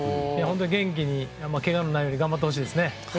元気に、けがのないように頑張ってほしいですね。